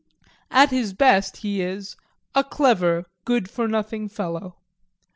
At his best he is "a clever, good for nothing fellow."